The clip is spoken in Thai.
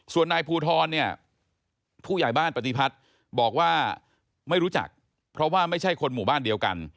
ส่วนนายภูทรเนี่ยผู้ใหญ่บ้านปฏิพัฒน์บอกว่าไม่รู้จักเพราะว่าไม่ใช่คนหมู่บ้านเดียวกัน